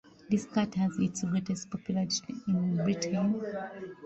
This cut has its greatest popularity in Britain.